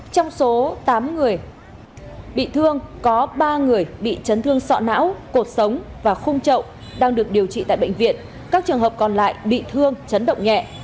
trong số tám người bị thương có ba người bị chấn thương sọ não cuộc sống và khung trậu đang được điều trị tại bệnh viện các trường hợp còn lại bị thương chấn động nhẹ